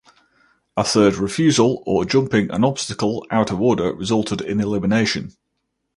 A third refusal or jumping an obstacle out of order resulted in elimination.